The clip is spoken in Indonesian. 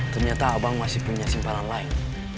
ternyata abang masih punya simpanan lain